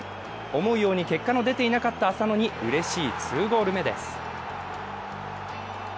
思うように結果の出ていなかった浅野にうれしい２ゴール目です。